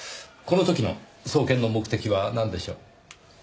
この時の捜検の目的はなんでしょう？